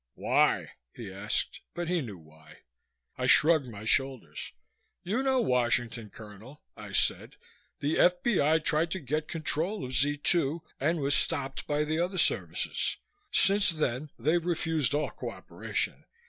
"Why?" he asked, but he knew why. I shrugged my shoulders. "You know Washington, Colonel," I said. "The F.B.I. tried to get control of Z 2 and was stopped by the other services. Since then, they've refused all cooperation.